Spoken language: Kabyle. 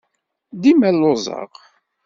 Dima lluẓeɣ.